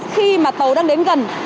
khi mà tàu đang đến gần